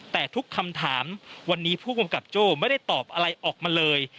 แต่ทุกคำถามวันนี้ผู้กำกับโจ้ไม่ได้ตอบอะไรออกมาเลย